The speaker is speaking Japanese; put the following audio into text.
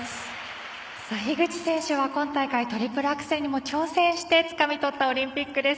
樋口選手は今大会トリプルアクセルに挑戦してつかみ取ったオリンピックです。